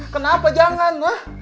kenapa jangan hah